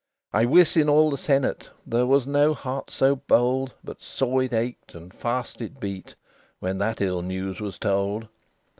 XVIII I wis, in all the Senate, There was no heart so bold, But sore it ached, and fast it beat, When that ill news was told.